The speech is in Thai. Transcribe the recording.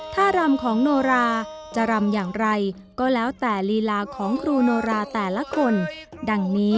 ถ้ารำของโนราจะรำอย่างไรก็แล้วแต่ลีลาของครูโนราแต่ละคนดังนี้